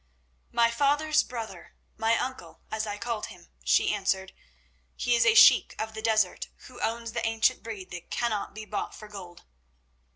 "My father's brother—my uncle, as I called him," she answered. "He is a sheik of the desert, who owns the ancient breed that cannot be bought for gold."